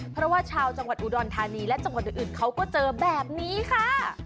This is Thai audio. เพราะว่าชาวจังหวัดอุดรธานีและจังหวัดอื่นเขาก็เจอแบบนี้ค่ะ